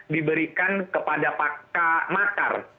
diberikan kepada pakar makar